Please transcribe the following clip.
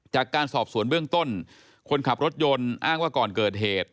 จากการสอบสวนเบื้องต้นคนขับรถยนต์อ้างว่าก่อนเกิดเหตุ